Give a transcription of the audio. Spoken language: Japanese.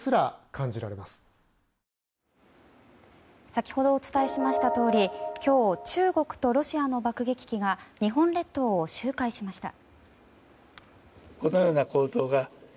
先ほどお伝えしましたとおり今日、中国とロシアの爆撃機が日本列島を周回しました。